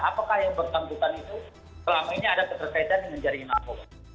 apakah yang bertanggung jawab itu selama ini ada ketersaitan dengan jaringan narkoba